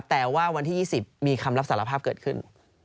แต่ว่าวันที่๒๐มีคำรับสารภาพเกิดขึ้น